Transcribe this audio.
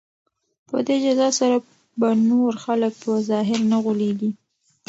په دې جزا سره به نور خلک په ظاهر نه غولیږي.